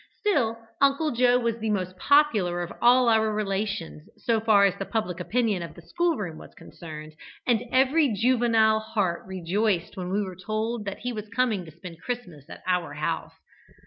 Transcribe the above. Still, Uncle Joe was the most popular of all our relations so far as the public opinion of the school room was concerned, and every juvenile heart rejoiced when we were told that he was coming to spend Christmas at our home.